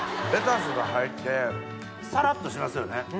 レタスが入ってさらっとしますよね。